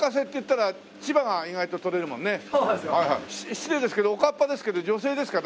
失礼ですけどおかっぱですけど女性ですか？